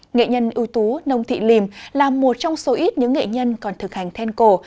nghệ nhân ưu tú nông thị lìm là một trong số ít những nghệ nhân còn thực hành then cổ